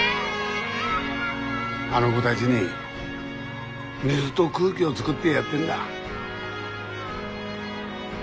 あの子だぢに水ど空気を作ってやってんだ。